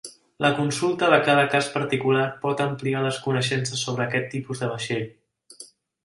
La consulta de cada cas particular pot ampliar les coneixences sobre aquest tipus de vaixell.